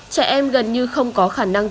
trẻ em gần như không có khả năng